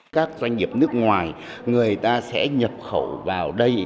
các doanh nghiệp nước ngoài người ta sẽ nhập khẩu vào đây